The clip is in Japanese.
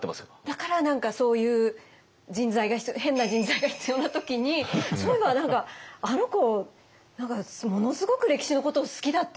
だから何かそういう人材が必要変な人材が必要な時に「そういえば何かあの子何かものすごく歴史のこと好きだったな。